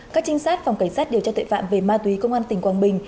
các trinh sát phòng cảnh sát điều tra tội phạm về ma túy công an tỉnh quảng bình